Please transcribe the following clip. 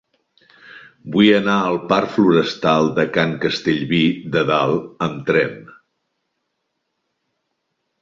Vull anar al parc Forestal de Can Castellví de Dalt amb tren.